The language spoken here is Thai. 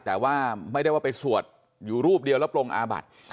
แต่ว่าไม่ได้ว่าไปสวดอยู่รูปเดียวแล้วปรงอาบัติ